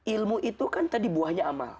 ilmu itu kan tadi buahnya amal